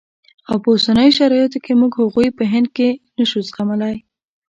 او په اوسنیو شرایطو کې موږ هغوی په هند کې نه شو زغملای.